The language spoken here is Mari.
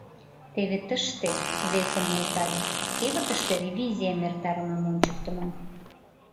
Теве тыште, — весым нӧлтале, — кевытыште ревизийым эртарымым ончыктымо.